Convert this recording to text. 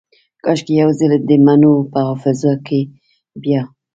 کاشکي یو ځلې دمڼو په حافظو کې بیا